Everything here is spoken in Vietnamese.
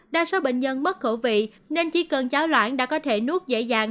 đa số bệnh nhân mất khẩu vị nên chỉ cần cháo loạn đã có thể nuốt dễ dàng